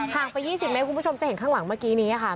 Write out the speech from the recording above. ไป๒๐เมตรคุณผู้ชมจะเห็นข้างหลังเมื่อกี้นี้ค่ะ